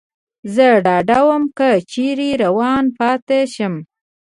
زه ډاډه ووم، که چېرې روان پاتې شم.